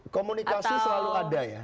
komunikasi selalu ada ya